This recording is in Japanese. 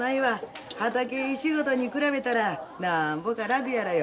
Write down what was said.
畑仕事に比べたらなんぼか楽やらよ。